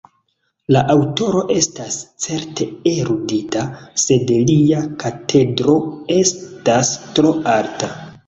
La aŭtoro estas certe erudita, sed lia katedro estas tro alta.